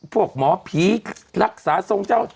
พวกหมอภีร์รักษาทรงเจ้า